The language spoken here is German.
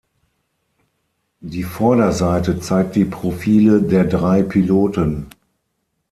Die Vorderseite zeigt die Profile der drei Piloten.